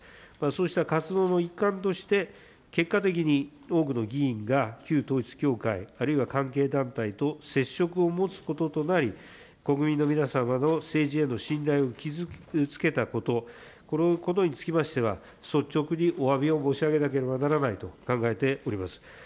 そうした活動の一環として、結果的に多くの議員が旧統一教会、あるいは関係団体と接触を持つこととなり、国民の皆様の政治への信頼を傷つけたこと、このことにつきましては、率直におわびを申し上げなければならないと考えております。